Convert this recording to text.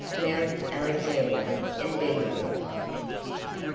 MOUNT ALEXANDER AND BENDIGO.